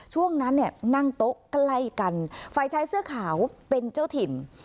ช่วงนั้นเนี่ยนั่งโต๊ะใกล้กันฝ่ายชายเสื้อขาวเป็นเจ้าถิ่น